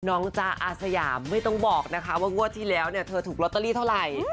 จ๊ะอาสยามไม่ต้องบอกนะคะว่างวดที่แล้วเนี่ยเธอถูกลอตเตอรี่เท่าไหร่